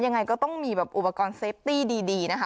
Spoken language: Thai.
ยังไงก็ต้องมีแบบอุปกรณ์เซฟตี้ดีนะคะ